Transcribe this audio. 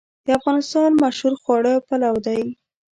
د افغانستان مشهور خواړه پلو دی